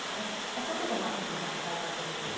そうすると非常に弱体化すると。